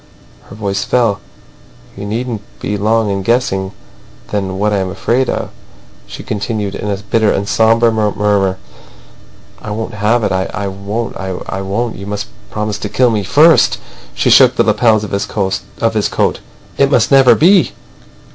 Her voice fell. "You needn't be long in guessing then what I am afraid of," she continued, in a bitter and sombre murmur. "I won't have it. I won't. I won't. I won't. You must promise to kill me first!" She shook the lapels of his coat. "It must never be!"